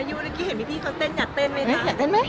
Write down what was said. อยากเต้นไหม